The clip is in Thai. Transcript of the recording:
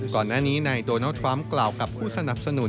ก่อนหน้านี้นายโดนัลดทรัมป์กล่าวกับผู้สนับสนุน